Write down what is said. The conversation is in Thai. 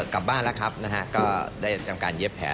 กลับบ้านแล้วครับนะฮะก็ได้ทำการเย็บแผล